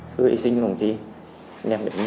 sự hy sinh của công chí đem đến tổn thất